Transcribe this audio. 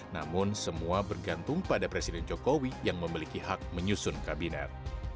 namun semua bergantung pada presiden jokowi yang memiliki hak menyusun kabinet